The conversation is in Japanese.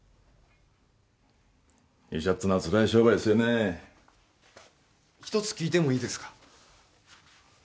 医者っていうのはつらい商売ですよね一つ聞いてもいいですか？